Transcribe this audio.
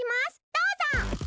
どうぞ！